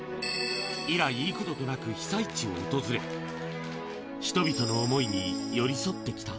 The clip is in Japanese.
以来、幾度となく被災地を訪れ、人々の想いに寄り添ってきた。